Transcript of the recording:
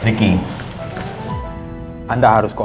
perbicaraan dan mengucapkan